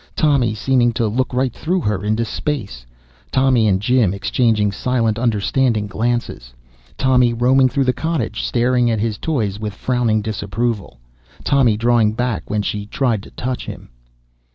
Tommy seeming to look right through her, into space. Tommy and Jim exchanging silent understanding glances. Tommy roaming through the cottage, staring at his toys with frowning disapproval. Tommy drawing back when she tried to touch him.